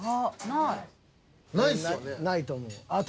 ないと思う。